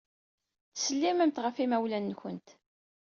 Ttsellimemt ɣef yimawlan-nwent.